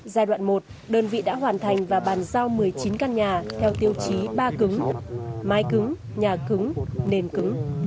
giai đoạn một đơn vị đã hoàn thành và bàn giao một mươi chín căn nhà theo tiêu chí ba cứng mái cứng nhà cứng nền cứng